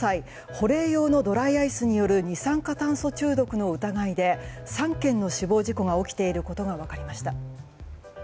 保冷用のドライアイスによる二酸化炭素中毒の疑いで３件の死亡事故が起きていることが分かりました。